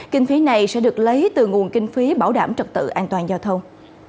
kinh phí này sẽ được lấy từ nguồn kinh phí bảo đảm trật tự an toàn giao thông